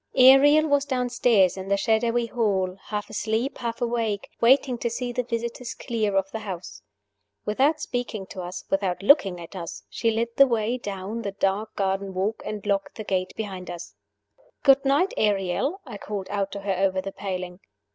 ARIEL was downstairs in the shadowy hall, half asleep, half awake, waiting to see the visitors clear of the house. Without speaking to us, without looking at us, she led the way down the dark garden walk, and locked the gate behind us. "Good night, Ariel," I called out to her over the paling.